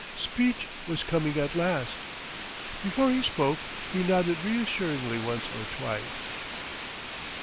Speech was coming at last. Before he spoke he nodded reassuringly once or twice.